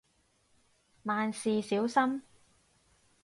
萬事小心